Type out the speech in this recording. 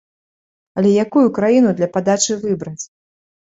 Але якую краіну для падачы выбраць?